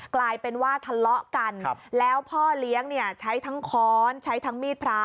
กลายเป็นว่าทะเลาะกันแล้วพ่อเลี้ยงเนี่ยใช้ทั้งค้อนใช้ทั้งมีดพระ